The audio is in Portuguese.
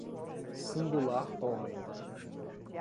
Singular homem!